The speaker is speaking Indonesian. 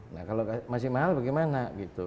nah kalau masih mahal bagaimana gitu